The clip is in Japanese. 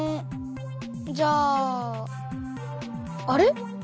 じゃああれ？